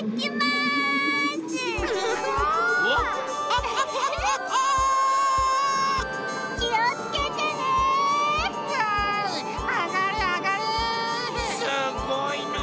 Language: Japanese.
すごいな。